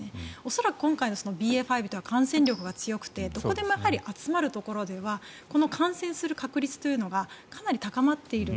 恐らく今回のＢＡ．５というのは感染力が強くてどこでも、集まるところでは感染する確率というのがかなり高まっている。